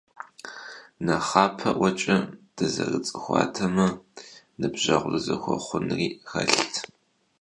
НэхъапэӀуэкӀэ дызэрыцӀыхуатэмэ, ныбжьэгъу дызэхуэхъунри хэлът.